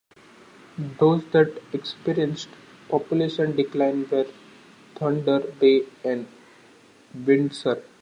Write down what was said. Those that experienced population decline were Thunder Bay and Windsor.